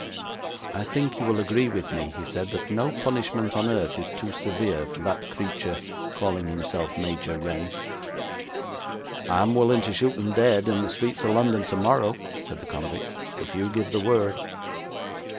'I think you will agree with me,' he said, 'that no punishment on earth is too severe for that creature calling himself Major Renn.' 'I'm willing to shoot him dead in the streets of London tomorrow,' said the convict, 'if you give the word.'